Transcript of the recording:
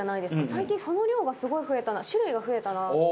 最近その量がすごい増えたな種類が増えたなって。